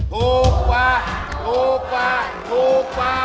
ถูกกว่าถูกกว่าถูกกว่า